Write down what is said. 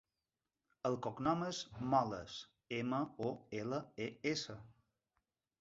El cognom és Moles: ema, o, ela, e, essa.